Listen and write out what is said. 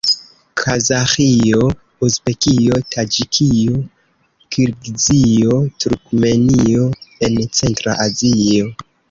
Kazaĥio, Uzbekio, Taĝikio, Kirgizio, Turkmenio en centra Azio.